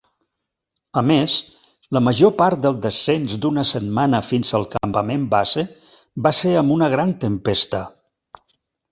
A més, la major part del descens d'una setmana fins al campament base va ser amb una gran tempesta.